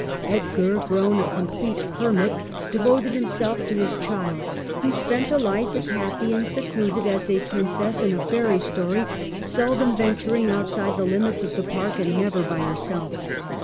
Edgar, grown a complete hermit, devoted him self to his child, who spent a life as happy and secluded as a princess in a fairy story, seldom venturing outside the limits of the park and never by herself.